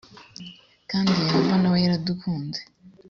kandi yehova nawe yaradukunze